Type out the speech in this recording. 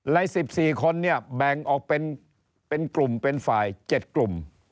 ใน๑๔คนเนี่ยแบ่งออกเป็นกลุ่มเป็นฝ่าย๗กลุ่ม